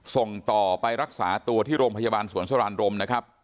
ส่งต่อไปรักษาตัวที่โรงพยาบาลสวนสรานรมนะครับ